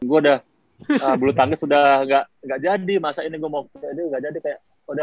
gue udah bulu tangis udah gak jadi masa ini gue mau